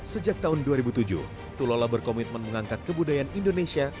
sejak tahun dua ribu tujuh tulola berkomitmen mengangkat kebudayaan indonesia